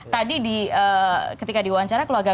tadi ketika diwawancara keluarga